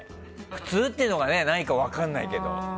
普通っていうのも何か分からないけどさ。